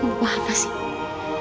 apa apa sih